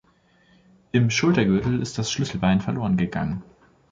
Im Schultergürtel ist das Schlüsselbein verloren gegangen.